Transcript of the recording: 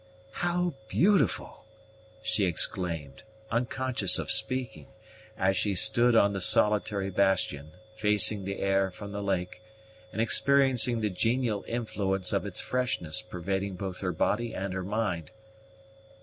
"How beautiful!" she exclaimed, unconscious of speaking, as she stood on the solitary bastion, facing the air from the lake, and experiencing the genial influence of its freshness pervading both her body and her mind.